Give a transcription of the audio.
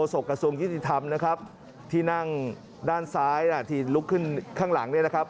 กระทรวงยุติธรรมนะครับที่นั่งด้านซ้ายที่ลุกขึ้นข้างหลังเนี่ยนะครับ